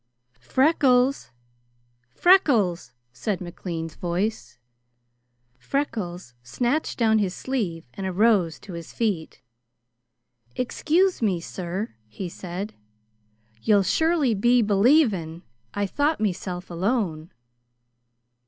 "Freckles, Freckles," said McLean's voice. Freckles snatched down his sleeve and arose to his feet. "Excuse me, sir," he said. "You'll surely be belavin' I thought meself alone."